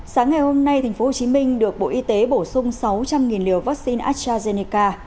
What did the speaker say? sáng ngày hôm nay tp hcm được bộ y tế bổ sung sáu trăm linh liều vaccine astrazeneca